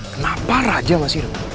kenapa raja masih hidup